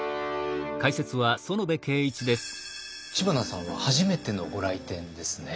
知花さんは初めてのご来店ですね。